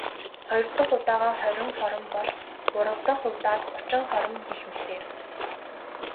Хоёр дахь удаагаа хорин хором бол.. Гурав дахь удаад гучин хором гэх мэтээр.